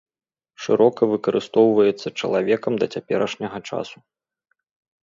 Шырока выкарыстоўваецца чалавекам да цяперашняга часу.